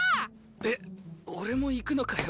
えっ俺も行くのかよ